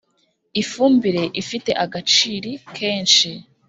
ifumbire ifite agaciri kenshi